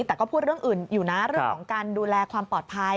แต่ก็พูดเรื่องอื่นอยู่นะเรื่องของการดูแลความปลอดภัย